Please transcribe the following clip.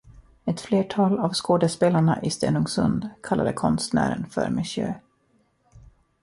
Ett flertal av skådespelarena i Stenungsund kallade konstnären för monsieur.